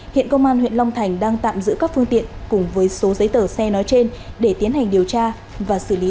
hiện công an huyện long thành đang tạm giữ các phương tiện cùng với số giấy tờ xe nói trên để tiến hành điều tra và xử lý